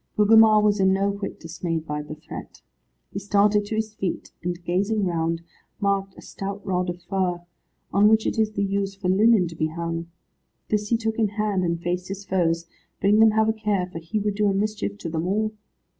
Gugemar was in no whit dismayed by the threat. He started to his feet, and gazing round, marked a stout rod of fir, on which it is the use for linen to be hung. This he took in hand, and faced his foes, bidding them have a care, for he would do a mischief to them all.